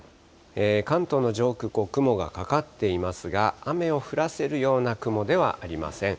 関東の上空、雲がかかっていますが、雨を降らせるような雲ではありません。